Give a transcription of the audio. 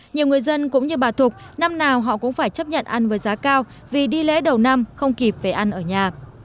nhiều người dân cũng như bà thục năm nào họ cũng phải chấp nhận ăn với giá cao vì đi lễ đầu năm không kịp về ăn ở nhà